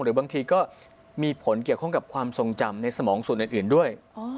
หรือบางทีก็มีผลเกี่ยวข้องกับความทรงจำในสมองส่วนอื่นด้วย